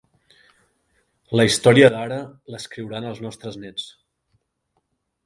La història d'ara, l'escriuran els nostres nets.